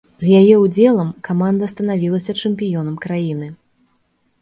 З яе ўдзелам каманда станавілася чэмпіёнам краіны!